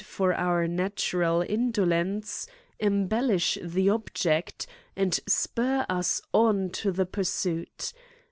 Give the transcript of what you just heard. for our natural indolence, embellish the object, and spur us on to the pursuit.